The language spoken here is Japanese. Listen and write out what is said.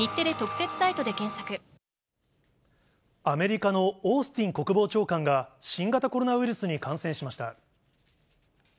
アメリカのオースティン国防長官が、新型コロナウイルスに感染しました。